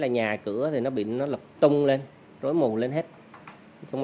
nhà cửa thì nó bị nó lập tung lên rối mù lên hết